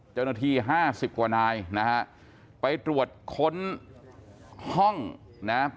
เจ้าหน้าที่ห้าสิบกว่านายนะฮะไปตรวจค้นห้องนะ